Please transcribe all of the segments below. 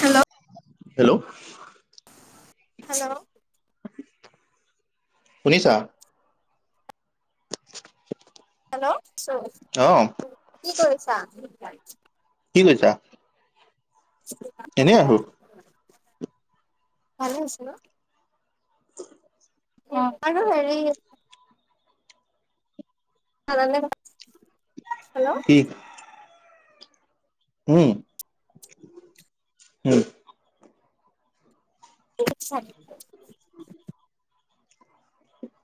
Hello. Hello. Hello. শুনিছা? Hello চ অ'। কি কৰিছা? কি কৰিছা? এনেই আছো [unintelligible] অ', আৰু হেৰি [unintelligible] হেল্ল'। কি? উম। উম [unintelligible]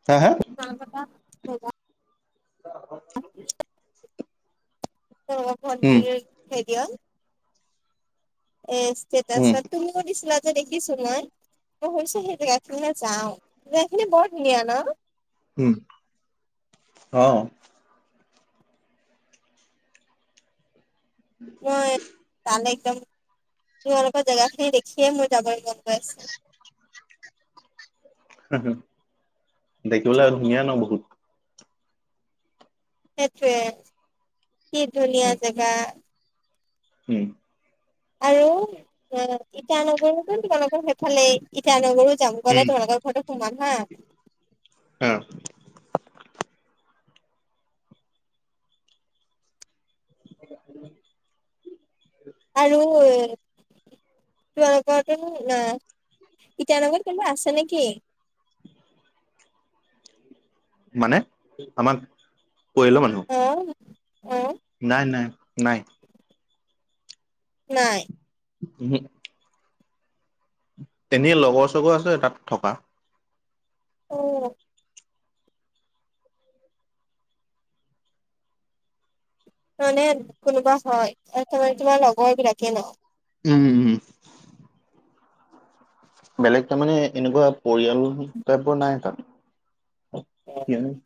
হা-হা তোমালোকৰ তাত [unintelligible] [inaudible] উম [unintelligible] এ উম ষ্টেটাছত, তুমিও দিছিলা যে দেখিছো মই। মই ভাবিছোঁ সেই জেগাখিনিলে যাওঁ। জেগাখিনি বৰ ধুনীয়া ন? উম, অ'। মই তালে একদম, তোমালোকৰ জেগাখিনি দেখিয়েই মোৰ যাবলৈ মন গৈ আছে। [inaudible] দেখিবলৈ আৰু ধুনীয়া ন বহুত। সেইটোৱে, কি ধুনীয়া উম জেগা। উম। আৰু ইটানগৰোতো তোমালোকৰ সেইফালে? ইটানগৰো যাম, উম গ'লে তোমালোকৰ ঘৰতো সোমাম হা অ' [inaudible] আৰু এ [unintelligible] ইটানগৰত কোনোবা আছে নেকি? মানে, আমাক, পৰিয়ালৰ মানুহ? অ', অ'। নাই-নাই, নাই। নাই? ওহোঁ। এনেই লগৰ-চগৰ আছে তাত থকা। অ'। মানে কোনোবা হয়। এ তোমাৰ কিবা লগৰ বিলাকে ন। উম, উম। বেলেগ তাৰমানে এনেকুৱা পৰিয়াল টাইপৰ নাই তাত [unintelligible] [unintelligible]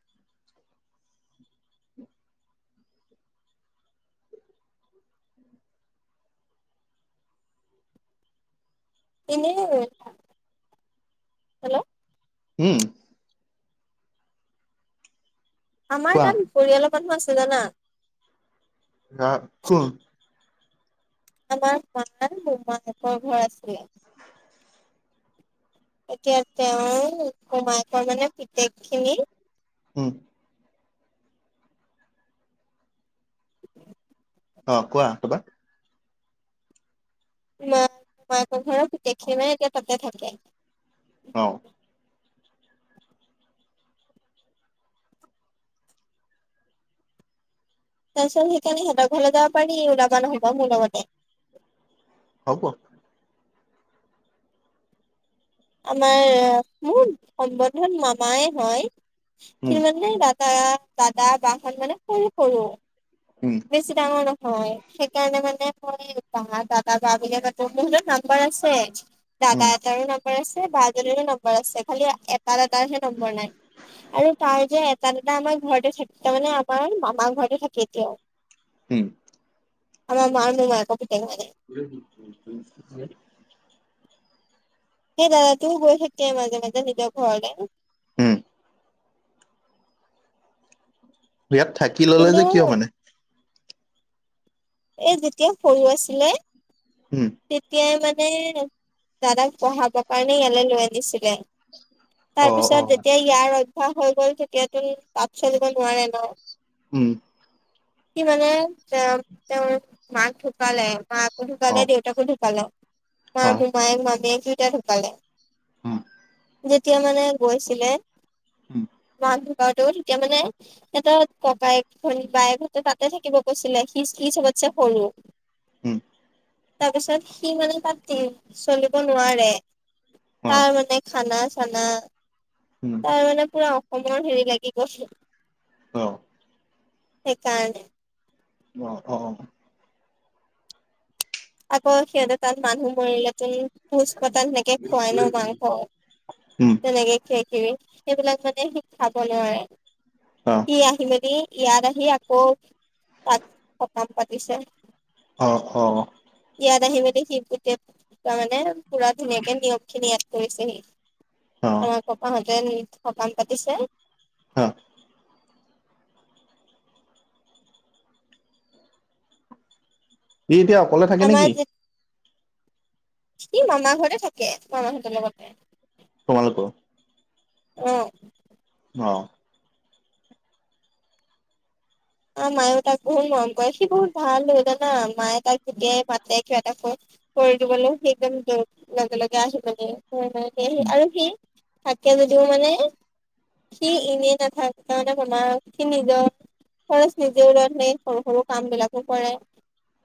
[unintelligible] উম। আমাৰ কোৱা তাত পৰিয়ালৰ মানুহ আছে জানা। [unintelligible] আমাৰ [unintelligible] মোমায়েকৰ ঘৰ আছিলে। এতিয়া তেওঁৰ মোমায়েক এজনে পিতেক খিনি উম। [unintelligible] অ', কোৱা তাপা। মা মোমায়েকৰ ঘৰৰ পিতেকখিনি এতিয়া তাতে থাকে। অ। তাৰ পিছত সেইকাৰণে সিহতৰ ঘৰলৈ যাব পাৰি, ওলাবা নহলবা মোৰ লগতে। হব। আমাৰ মোৰ সম্বন্ধত মামায়ে হয়, উম কিন্তু মানে দাদ দা-দাদা বাহত মানে সৰু-সৰু। উম। বেছি ডাঙৰ নহয় সেইকাৰণে মানে মই দা-দাদা বা বুলিয়ে মাতো, মোৰ হাতত নাম্বাৰ আছে। উম দাদা এটাৰো নম্বৰ আছে বা এজনীৰো নম্বৰ আছে, খালি এট দাৰ এটাৰ হে নম্বৰ নাই। আৰু তাৰ যে এট তাত দাদা আমাৰ ঘৰতে থাকে তাৰমানে আমাৰ মামাৰ ঘৰতে থাকে এতিয়াও। উম আমাৰ মাৰ মোমায়েকৰ পিটেক হয় [unintelligible] সেই দাদা তোৰ গৈ থাকি মাজে মাজে নিজৰ ঘৰলে। হম ইয়াত থাকি ললে যে কিয় কিন্তু মানে? এ যেতিয়া সৰু আছিলে হম তেতিয়াই মানে দাদাক পঢ়াবৰ কাৰণে ইয়ালৈ লৈ আনিছিলে। অ অ তাৰপিছত যেতিয়া ইয়াৰ অভ্্যাস হৈ গল তেতিয়াতো তাত চলিব নোৱাৰে ন! উম। কি মানে এ তেওঁ মাক ঢুকালে মাক অ ঢুকালে দেউতাকো ঢুকালে, মা অ মোমায়েক মামীয়েক দুটা ঢুকালে। উম যেতিয়া মানে গৈছিলে উম মান গৱতেও তেতিয়া মানে এটা ককাই বায়েকঁতে তাতে থাকিব কৈছিলে সি সি চবতছে‌ সৰু। উম তাৰপিছত সি মানে তাত চলিব নোৱাৰে অ তাৰ মানে খানা চানা উম তাৰ মানে পুৰা অসমৰ হেৰি লাগি গৈছে? অ'। সেইকাৰণে অ', অ', অ'। আকৌ সিহঁতৰ তাত মানুহ মৰিলে কো পোজ পতাল সেনেকে খুৱাই ন' মাংস উম তেনেকে [unintelligible] সেইবিলাক মানে সি খাব নোৱাৰে অ সি আহি মেলি ইয়াত আহি আকৌ তাত সকাম পাতিছে। অ', অ', ইয়াত আহি মেলি সি গোটে, তাৰ মানে পুৰা ধুনীয়াকে নিয়ম খিনি ইয়াত কৰিছেহি। অ', অ', [unintelligible] সকাম পাতিছে হাঁ? সি এতিয়া অকলে থাকে আমাৰ নেকি? সি মামা ঘৰতে থাকে মামাহঁতৰ লগতে। তোমালোকৰ অ', অ', অ', মায়েও তাক বহুত মৰম কৰে, সি বহুত ভাল হয় জানা মায়ে তাক যেতিয়াই মাতে কিবা এটা [unintelligible] কৰি দিবলৈ সি একদম দৌ লগে লগে আহি মানে [unintelligible] উম আৰু সি থাকে যদিও মানে সি এনেই নাথাকে ত' [unintelligible] সি নিজৰ খৰচ নিজে ওলাই পেনি সৰু সৰু কাম বিলাকো কৰে।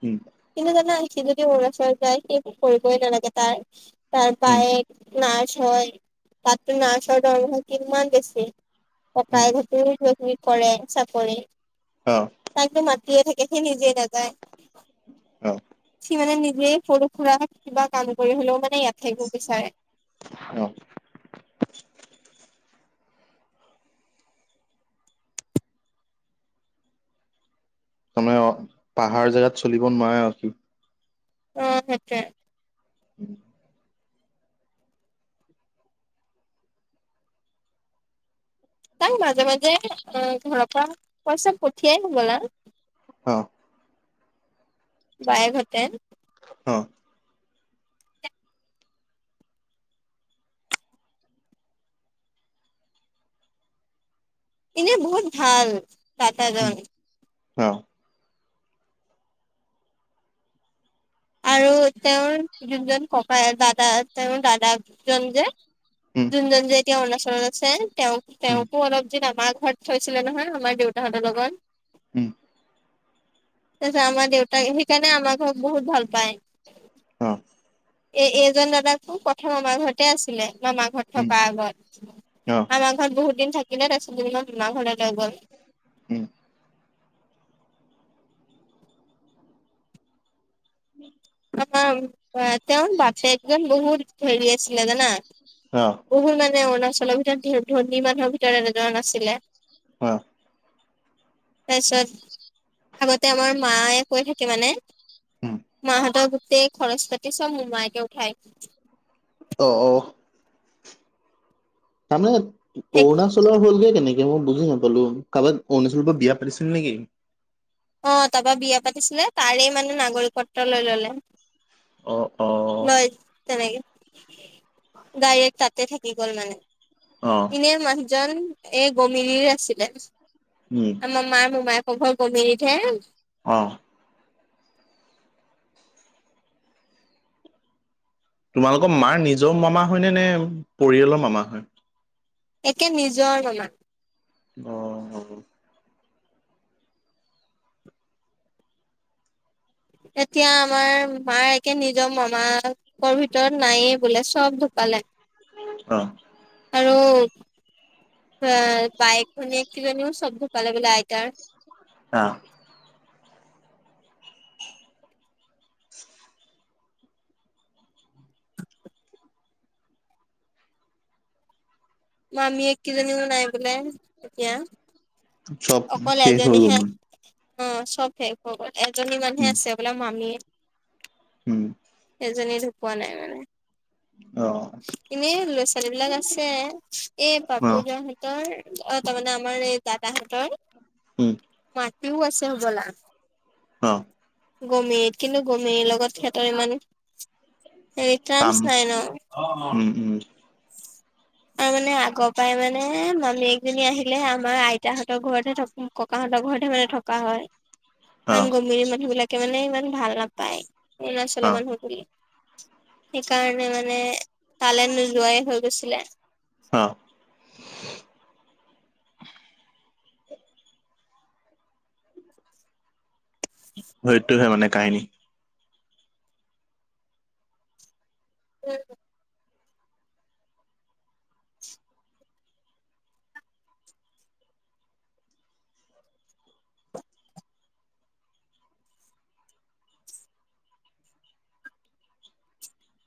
উম, কিন্তু জানা সি যদি অৰুণাচল যায়, সি কৰিবই নালাগে তাৰ তাৰ উম বায়েক নাৰ্ছ হৈ তাততো নাৰ্ছ হোৱাৰ দৰমহা কিমান বেছি। উম ককায়েক হঁতেও কিবা কিবি কৰে চাকৰি অ', তাকটো মাতিয়ে থাকে সি নিজে নাযায়, অ সি মানে নিজে সৰু সুৰা কিবা কাম কৰি হলেও মানে ইয়াত থাকিব বিচাৰে অ', তাৰমানে অ', পাহাৰ জেগাত চলিব নোৱাৰে আৰু সি। অ', সেইটোয়ে উম, তাক মাজে মাজে আ, ঘৰৰ পৰা পইচা পঠিয়াই হ'বলা। হাঁ বায়েক হঁতে। অ', এনেই বহুত ভাল দাতাজন। উম অ', আৰু তেওঁৰ যোনজন ককাই, দাদা তেওঁৰ দাদা জন যে উম যোনজন যে এতিয়া অৰুণাচলত আছে তেওঁক, উম তেওঁকো অলপ দিন আমাৰ ঘৰত থৈছিলে নহয় আমাৰ দেউতাহঁতৰ লগত উম, তাৰ পিছত আমাৰ দেউতাক সেইকাৰণে আমাৰ ঘৰক বহুত ভাল পায়। অ', এ এই জন দাদাকো প্ৰথম আমাৰ ঘৰতে আছিলে মামাৰ ঘৰত। উম থকা আগত, অ আমাৰ ঘৰত বহুত দিন থাকিলে তাৰপিছত [unintelligible] মামাৰ ঘৰলৈ গ'ল। উম, [inaudible] তেওঁৰ বাপেকে বহুত হেৰি আছিলে জানা? অ বহু মানে অৰুণাচলৰ ভিতৰত ধে ধনী মানুহৰ ভিতৰত এজন আছিলে হয় তাৰছত আগতে আমাৰ মায়ে কৈ থাকে মানে উম মাহতৰ গোটেই খৰচ পাতি চব মোমায়েকে উঠায় অঁ অ তাৰমানে অৰুণাচলৰ হ'লগে কেনেক এ মই বুজি নাপালো কাৱাক অৰুণাচলৰ পৰা বিয়া পাতিছিল নেকি অ তাপা বিয়া পাতিছিলে তাৰে মানে নাগৰিকত্ব লৈ ললে অ অ লয় তেনেকে ডাইৰেক্ট তাতে থাকি গ'ল মানে অ এনে মানুহজন এই গমিৰিৰ আছিলে উম আমা মাৰ মোমায়েকৰ ঘৰ গমিনিত হে অঁ তোমালোকৰ মাৰ নিজৰ মামা হয়নে নে পৰিয়ালৰ মামা হয় একে নিজৰ মামা অ সৰু এতিয়া আমাৰ মাৰ একে নিজৰ মামা কৰ ভিতৰত নায়ে বোলে চব ঢুকালে অ আৰু আ বাইক ভনী কিজনীও চব্ ঢুক ঢুকালে বোলে আইতাৰ আ মামিয়েক কেইজনীও নাই বোলে এতিয়া চব অকল শেষ হৈ গ'ল এজনীহে মোৰ অ চবে শেষ হৈ গল এজনী মানুহে উম আছে বোলে মামিয়েক উম এজনীয়ে ঢুকোৱা নাই মানে অহ এনেই ল'ৰা ছোৱালী বিলাক আছে এই অ পাপুদাহতৰ অ তাৰমানে আমাৰ এই দাদাহেতৰ উম মাটিও আছে হ'বলা অহ গমেৰিত কিন্তু গমেৰিৰ লগত সিহঁতৰ ইমান হেৰি ট্ৰামচ নাই ন অহ উম উম অ মানে আগৰ পাই মানে মামিয়েকজনী আহিলে আমাৰ আইতাহঁতৰ ঘৰতহে থাকো ককাহঁতৰ ঘৰতহে মানে থকা হয় অ কাৰণ গমেৰী মানুহ বিলাকে মানে ইমান ভাল নাপায় অৰুণাচলৰ অ মানুহ বুলি সেইকাৰণে মানে তালে নোযোৱাই হৈ গৈছিলে অ হয়টোহে মানে কাহিনী [unintelligible]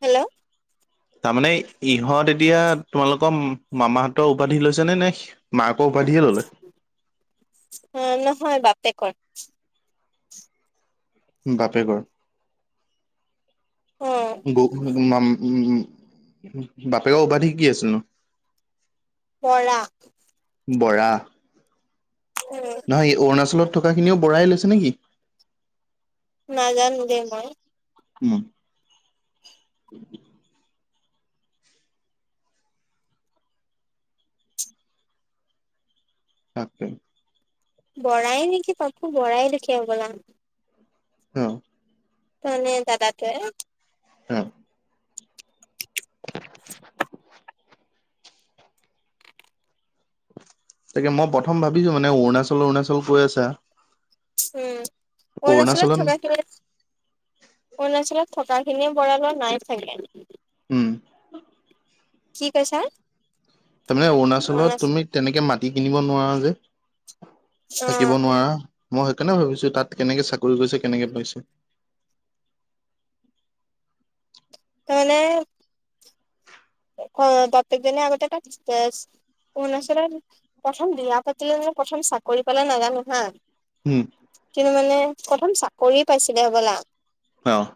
হেল্লো' তামানে ইহঁত এতিয়া তোমালোকৰ মামাহঁতৰ উপাধি লৈছে নে নে- মাকৰ উপাধিয়ে ললে। অঁ নহয় বাপেকৰ। উম' বাপেকৰ, অ গৌ উম মাম- বাপেকৰ উপাধি কি আছিল নো? বৰা। বৰা। উম' নহয়, এই অৰুণাচলত থকা খিনিও বঢ়াই লৈছে নেকি? নাজানো দেই মই। উম' তাকে। বৰাই নেকি পাপু বৰাই লিখে হবলা। অঁহ' তামানে এই দাদাটোৱে। উম' [unintelligible] তাকে মই প্ৰথম ভাবিছোঁ মানে অৰুণাচল অৰুণাচল কৈ আছা। উম' অৰুণাচলত থকা একেবাৰে- অৰুণাচলত থকা খিনিয়ে বৰা লৱা নাই চাগে। উম' কি কৈছা? তামানে অৰুণাচলত অৰুণাচল তুমি তেনেকে মাটি কিনিব নোৱাৰা যে। অ থাকিব নোৱাৰা। মই সেইকাৰণে ভাবিছো তাত কেনেকে চাকৰি কৰিছে কেনেকে পাইছে। তামানে- অঁ' বাপেকজনে আগতে তাত- অৰুণাচলত প্ৰথম বিয়া পাতিলে নে প্ৰথম চাকৰি পালে নাজানো হাঁ। উম' ছিল মানে প্ৰথম চাকৰিয়ে পাইছিলে হ'বলা। অঁহ'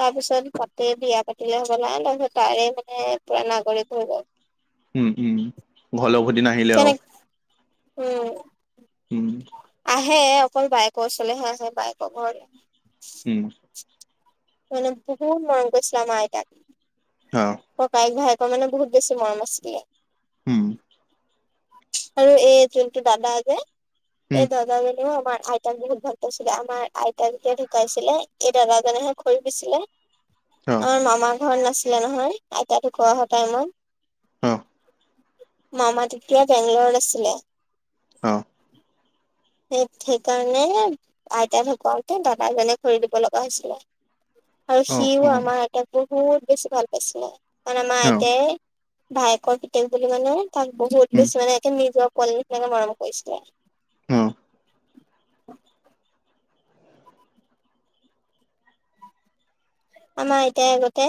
তাৰ পিছত তাতে বিয়া পাতিলে হ'বলা। তাপিছত- তাৰে মানে পুৰা নাগৰিক হৈ গল। উম উম' ঘৰলে উভতি নাহিলে আও। তেনে উম' উম' আহে অকল বায়েকৰ ওচৰলেহে আহে বায়কৰ ঘৰত। উম' মানে বহুত মৰম কৰিছিলে আমাৰ আইটাক। অঁ' ককায়েক ভায়েকৰ মানে বহুত বেছি মৰম আছিলে। উম' আৰু এই যোনটো দাদা যে উম, এই দাদাজনেও আমাৰ আইতাক বহুত ভাল- কৈছিলে আমাৰ আইতা যেতিয়া ঢুকাইছিলে, এই দাদাজনেহে খৰি দিছিলে। অ, আমাৰ মামা ঘৰত নাছিলে নহয়, আইতা ধোকোৱা হোৱা টাইমত। অঁহ'। মামা তেতিয়া বেংগলৰত আছিলে। অহ'। সেই-সেইকাৰণে আইতা ঢ়ুকাওতে দাদা এজনে খৰি দিব লগা হৈছিলে। আৰু অ, সিও অ, আমাৰ আইতাক বহুত বেছি ভাল পাইছিলে, কাৰণ আমাৰ অ, আইতাই ভায়েকৰ পিতেক বুলি মানে তাক বহুত উম, বেছি মানে, একে নিজৰ পোৱালী নিচিনাকে মৰম কৰিছিলে। অহ'। আমাৰ আইতাই আগতে